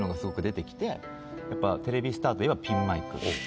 やっぱテレビスターといえばピンマイク。